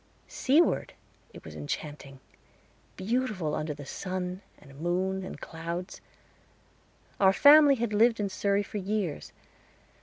Seaward it was enchanting beautiful under the sun and moon and clouds. Our family had lived in Surrey for years.